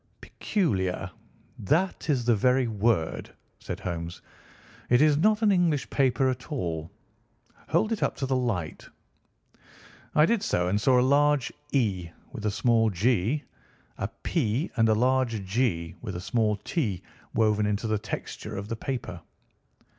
"Peculiar—that is the very word," said Holmes. "It is not an English paper at all. Hold it up to the light." I did so, and saw a large "E" with a small "g," a "P," and a large "G" with a small "t" woven into the texture of the paper.